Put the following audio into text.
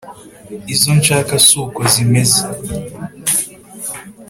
izo nshaka si uko zimeze.